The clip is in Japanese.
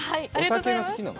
お酒は好きなの？